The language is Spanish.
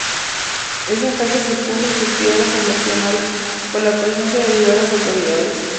Esa fecha se puso en su piedra fundacional, con la presencia de diversas autoridades.